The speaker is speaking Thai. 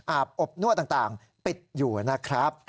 อาบอบนั่วต่างปิดอยู่นะครับ